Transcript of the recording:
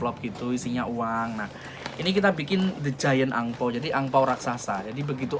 lampion ini menyebabkan penyakit